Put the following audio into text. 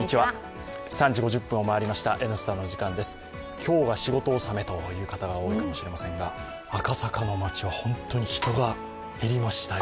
今日が仕事納めという方が多いかもしれませんが、赤坂の街は本当に人が減りましたよ。